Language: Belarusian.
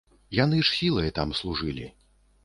Яны ж сілай там служылі.